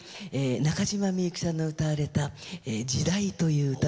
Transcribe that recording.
中島みゆきさんの歌われた『時代』という歌。